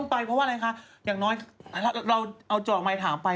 ไปไปรึเปล่า